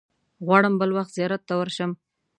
غواړم بل وخت زیارت ته ورشم.